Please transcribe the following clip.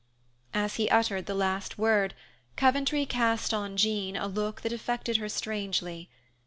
As he uttered the last word, Coventry cast on Jean a look that affected her strangely.